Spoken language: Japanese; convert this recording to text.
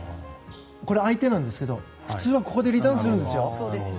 相手なんですが普通はここでリターンするんです。